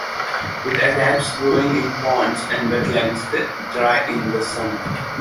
It adapts growing in ponds and wetlands, that dry in the summer.